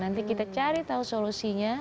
nanti kita cari tahu solusinya